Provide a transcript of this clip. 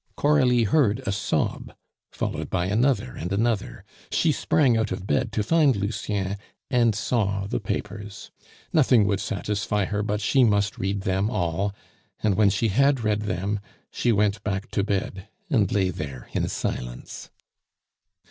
Coralie heard a sob, followed by another and another. She sprang out of bed to find Lucien, and saw the papers. Nothing would satisfy her but she must read them all; and when she had read them, she went back to bed, and lay there in silence.